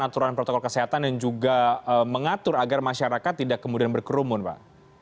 aturan protokol kesehatan dan juga mengatur agar masyarakat tidak kemudian berkerumun pak